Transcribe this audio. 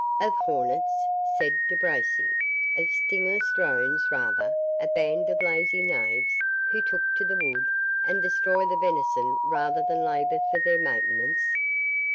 "Of hornets?" said De Bracy; "of stingless drones rather; a band of lazy knaves, who take to the wood, and destroy the venison rather than labour for their maintenance."